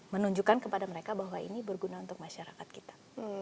menunjukkan kepada mereka bahwa ini berguna untuk masyarakat kita